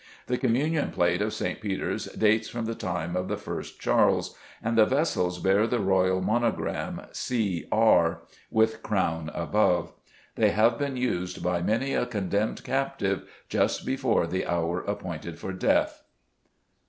The Communion Plate of St. Peter's dates from the time of the first Charles, and the vessels bear the royal monogram, C.R., with crown above. They have been used by many a condemned captive just before the hour appointed for death.